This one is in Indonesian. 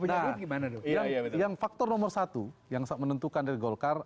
nah yang faktor nomor satu yang menentukan dari golkar